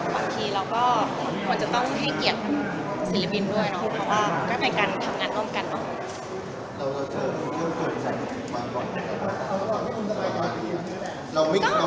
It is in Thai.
บางทีเราก็ควรจะต้องให้เกียรติศิลปินด้วยเนาะเพราะว่ามันก็เป็นการทำงานร่วมกันเนอะ